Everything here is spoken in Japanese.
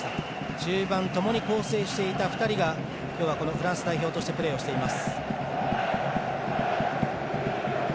中盤、ともに構成していた２人が今日はフランス代表としてプレーしています。